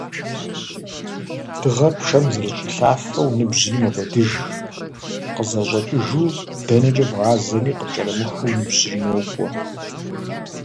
Дыгъэр пшэм зэрыщӏилъафэу, ныбжьри мэкӏуэдыж, къызэрыщӏэкӏыжу - дэнэкӏэ бгъазэми, къыпкӏэрымыхуу ныбжьри нокӏуэ.